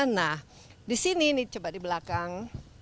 nah di sini nih coba di belakang